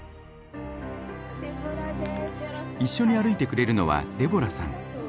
一緒に歩いてくれるのはデボラさん。